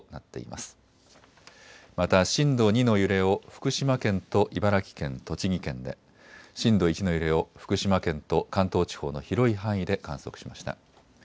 また震度２の揺れを福島県と茨城県、栃木県で、震度１の揺れを福島県と関東地方の広い範囲で観測しました。